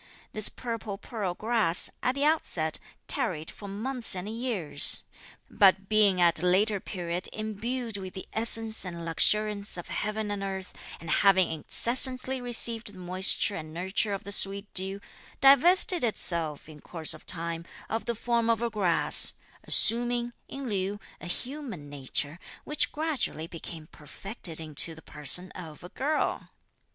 This purple pearl grass, at the outset, tarried for months and years; but being at a later period imbued with the essence and luxuriance of heaven and earth, and having incessantly received the moisture and nurture of the sweet dew, divested itself, in course of time, of the form of a grass; assuming, in lieu, a human nature, which gradually became perfected into the person of a girl.